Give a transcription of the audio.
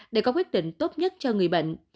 để có quyết định tốt nhất cho người bệnh